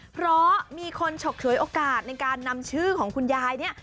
เพราะมีคนฉกฉวยโอกาสในการนำชื่อของคุณยายเนี่ย